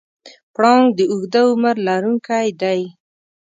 پړانګ د اوږده عمر لرونکی دی.